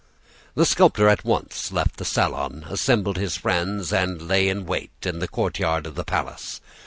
"The sculptor at once left the salon, assembled his friends, and lay in wait in the courtyard of the palace.